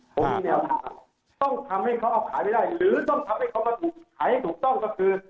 ต้องทำให้เขาเอาขายไม่ได้หรือต้องทำให้เขามาขายให้ถูกต้องก็คือ